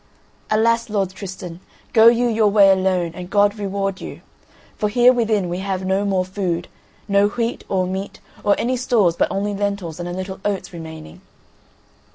"Alas, lord Tristan, go you your way alone and God reward you, for here within we have no more food; no wheat, or meat, or any stores but only lentils and a little oats remaining."